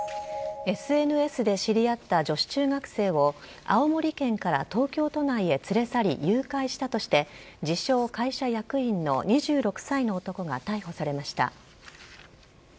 ＳＮＳで知り合った女子中学生を青森県から東京都内へ連れ去り誘拐したとして自称会社役員の２６歳の男が逮捕されました。